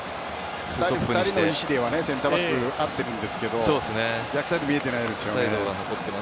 ２人の意思ではセンターバック合ってるんですけど逆サイドが見えてないですよね。